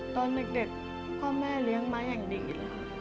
ตอนเด็กพ่อแม่เลี้ยงมาอย่างดี